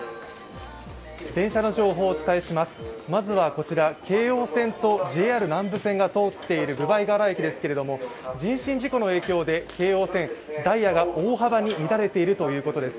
まずはこちら、京王線とＪＲ南武線が通っている分倍河原駅ですが、人身事故の影響で京王線ダイヤが大幅に乱れているということです。